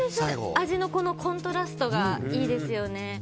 味のコントラストがいいですよね。